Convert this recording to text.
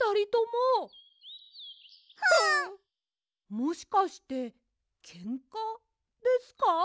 もしかしてケンカ？ですか？